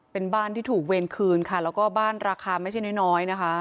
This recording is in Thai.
เป็นบ้านที่ถูกเวรคืนค่ะแล้วก็บ้านราคาไม่ใช่น้อยนะคะ